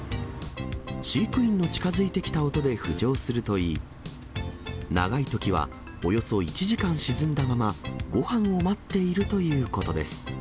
飼育員の近づいてきた音で浮上するといい、長いときは、およそ１時間沈んだまま、ごはんを待っているということです。